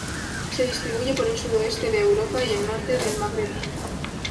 Se distribuye por el sudoeste de Europa y el norte del Magreb.